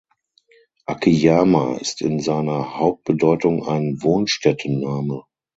Akiyama ist in seiner Hauptbedeutung ein Wohnstättenname.